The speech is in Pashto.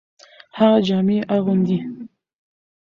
هغه جامي اغوندي .